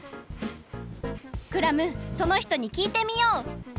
クラムそのひとにきいてみよう！